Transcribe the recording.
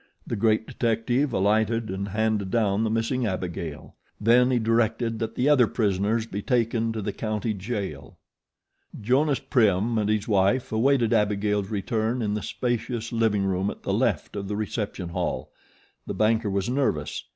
The great detective alighted and handed down the missing Abigail. Then he directed that the other prisoners be taken to the county jail. Jonas Prim and his wife awaited Abigail's return in the spacious living room at the left of the reception hall. The banker was nervous.